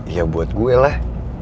ya buat gue lah